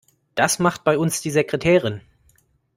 Das macht bei uns die Sekretärin.